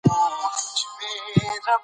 تاریخ یې ورک سوی دی.